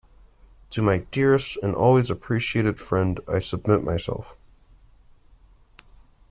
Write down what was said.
To my dearest and always appreciated friend, I submit myself.